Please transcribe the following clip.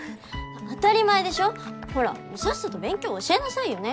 当たり前でしょほらさっさと勉強教えなさいよね。